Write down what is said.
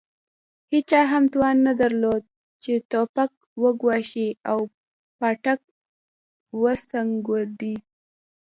هېچا هم توان نه درلود چې توپک وګواښي او پاټک وسکونډي.